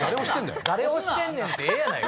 誰推してんねんってええやないか。